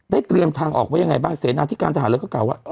ได้เตรียมทางออกว่ายังไงบ้างเสนอทิการทหารเรื่องเก่าเก่าว่า